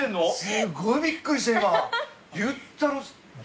すっごいびっくりした今。